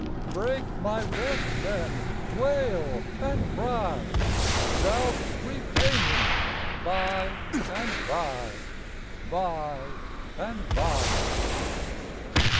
Break my rest, then, wail and cry Thou'lt repay me by and by by and by."